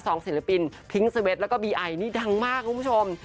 ศิลปินทิ้งเซเวทแล้วก็บีไอนี่ดังมากคุณผู้ชม